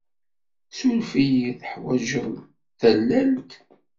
Ssuref-iyi. Teḥwajed tallalt?